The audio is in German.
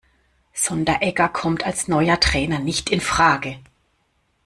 Sonderegger kommt als neuer Trainer nicht infrage.